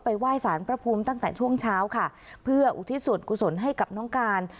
ไหว้สารพระภูมิตั้งแต่ช่วงเช้าค่ะเพื่ออุทิศส่วนกุศลให้กับน้องการ